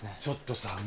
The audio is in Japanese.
ちょっとさ